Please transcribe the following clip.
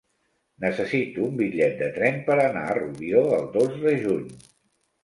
Necessito un bitllet de tren per anar a Rubió el dos de juny.